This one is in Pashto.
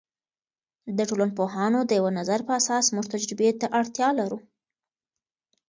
د ټولنپوهانو د یوه نظر په اساس موږ تجربې ته اړتیا لرو.